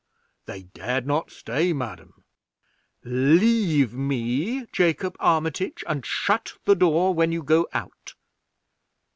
"They dared not stay, madam." "Leave me, Jacob Armitage, and shut the door when you go out."